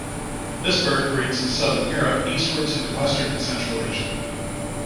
This bird breeds in southern Europe eastwards into western and central Asia.